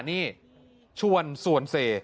นี่ชวนสวนเส